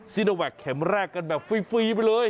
ซีโนแวคเข็มแรกกันแบบฟรีไปเลย